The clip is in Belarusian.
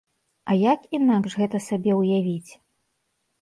А як інакш гэта сабе ўявіць?